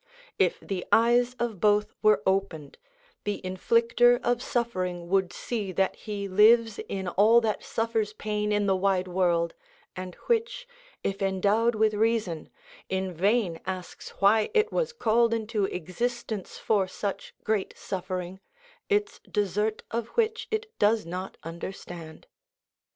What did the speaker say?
If the eyes of both were opened, the inflicter of suffering would see that he lives in all that suffers pain in the wide world, and which, if endowed with reason, in vain asks why it was called into existence for such great suffering, its desert of which it does not understand.